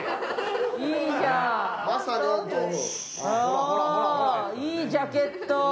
ああいいジャケット。